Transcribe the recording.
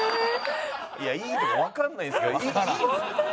いやいいとかわかんないんですけどいいんですか？